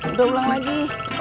udah ulang lagi